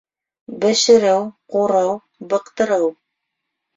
Бешереү, ҡурыу, быҡтырыу